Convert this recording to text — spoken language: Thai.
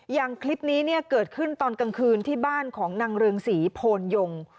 อย่างคลิปนี้เนี่ยเกิดขึ้นตอนกลางคืนที่บ้านของนางเรืองศรีโพนยง